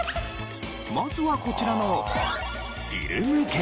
まずはこちらの。